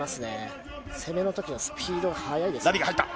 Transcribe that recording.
攻めのときのスピード、速いですね。